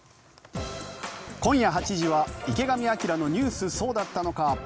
今夜８時は「池上彰のニュースそうだったのか！！」。